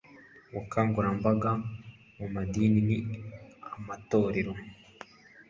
Ubukangurambaga mu Madini n Amatorero